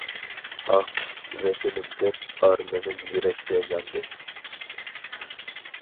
ئاھ ۋەتىنىم دەپ ئارمىنىم يۈرەكتە ياندى!